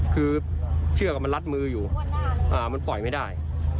คือเชือกมันรัดมืออยู่มันปล่อยไม่ได้